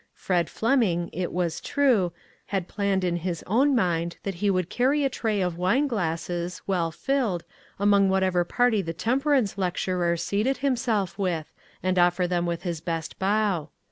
Fred Fleming, it is true, had planned in his own ruiiid that he would carry a tray of wine glasses, well filled, among whatever party the temperance lec turer seated himself with, and offer them with his best bow.